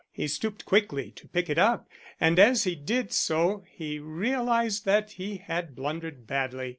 He stooped quickly to pick it up, and as he did so he realized that he had blundered badly.